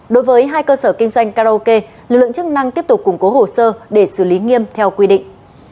đối với hai cơ sở kinh doanh karaoke lực lượng chức năng tiếp tục củng cố hồ sơ để xử lý nghiêm theo quy định